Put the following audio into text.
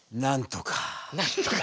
なんとか。